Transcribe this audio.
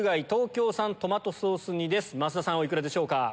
増田さんお幾らでしょうか？